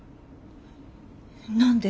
何で？